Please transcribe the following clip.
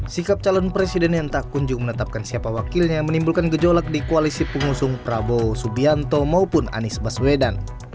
sikap calon presiden yang tak kunjung menetapkan siapa wakilnya menimbulkan gejolak di koalisi pengusung prabowo subianto maupun anies baswedan